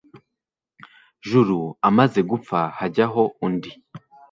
Juru amaze gupfa hajyaho undi,